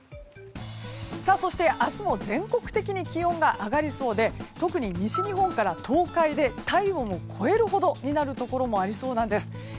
そして、明日も全国的に気温が上がりそうで特に西日本から東海で体温を超えるほどになるところもありそうなんです。